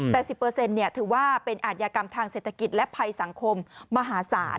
แต่๑๐ถือว่าเป็นอาทยากรรมทางเศรษฐกิจและภัยสังคมมหาศาล